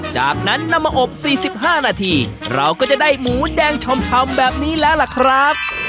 จากนั้นนำมาอบ๔๕นาทีเราก็จะได้หมูแดงชำแบบนี้แล้วล่ะครับ